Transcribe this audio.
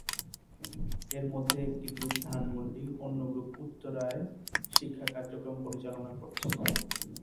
এরমধ্যে একটি গ্রুপ ধানমন্ডি, অন্য গ্রুপ উত্তরায় শিক্ষা কার্যক্রম পরিচালনা করছে।